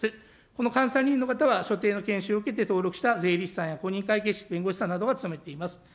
この監査人の方は所定の研修を受けて登録した税理士さんや公認会計士、弁護士さんなどが務めております。